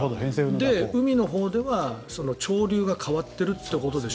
海のほうでは潮流が変わっているということでしょ